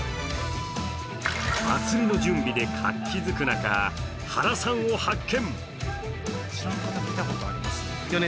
祭りの準備で活気づく中、原さんを発見。